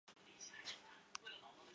续彦三为日本明治时期政府官员。